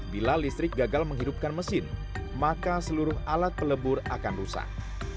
bila listrik gagal menghidupkan mesin maka seluruh alat pelebur akan rusak